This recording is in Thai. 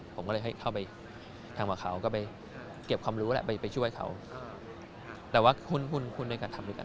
ผมก็เลยให้เข้าไปทำกับเขาก็ไปเก็บความรู้แหละไปช่วยเขาแต่ว่าหุ้นหุ้นด้วยการทำด้วยกัน